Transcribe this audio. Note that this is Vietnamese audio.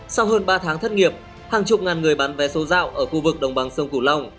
sau hơn ba tháng thất nghiệp hàng chục ngàn người bán vé số dạo ở khu vực đồng bằng sông cửu long